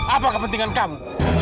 apa kepentingan kamu